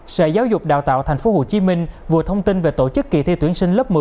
sở giáo dục đào tạo tp hcm vừa thông tin về tổ chức kỳ thi tuyển sinh lớp một mươi